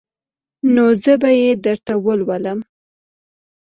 نو زه به يې درته ولولم.